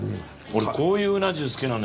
俺こういううな重好きなのよ。